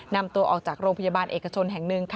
นำตัวออกจากโรงพยาบาลเอกชนแห่งหนึ่ง